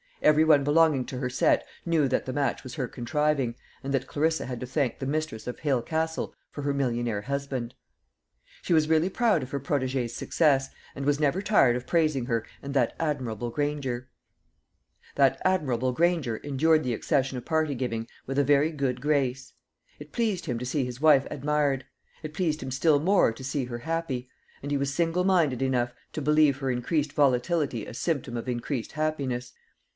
Every one belonging to her set knew that the match was her contriving, and that Clarissa had to thank the mistress of Hale Castle for her millionaire husband. She was really proud of her protégée's success, and was never tired of praising her and "that admirable Granger." That admirable Granger endured the accession of party giving with a very good grace. It pleased him to see his wife admired; it pleased him still more to see her happy; and he was single minded enough to believe her increased volatility a symptom of increased happiness.